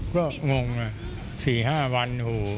ก็งงนะ๔๕วัน